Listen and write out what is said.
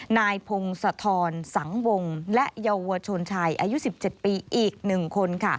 นายพงศธรสังวงศ์และเยาวชนชายอายุ๑๗ปีอีก๑คน